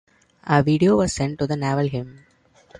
A video was set to the Naval Hymn.